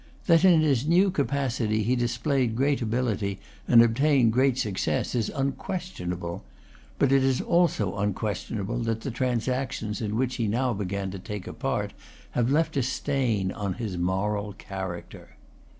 That in his new capacity he displayed great ability, and obtained great success, is unquestionable. But it is also unquestionable that the transactions in which he now began to take a part have left a stain on his moral character.